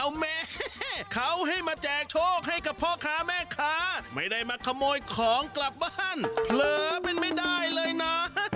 เอาแม่เขาให้มาแจกโชคให้กับพ่อค้าแม่ค้าไม่ได้มาขโมยของกลับบ้านเผลอเป็นไม่ได้เลยนะ